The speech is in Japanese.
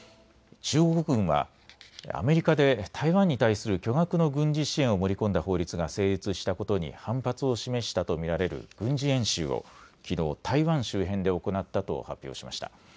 中国軍はアメリカで台湾に対する巨額の軍事支援を盛り込んだ法律が成立したことに反発を示したと見られる軍事演習をきのう、台湾周辺で行ったと発表しました。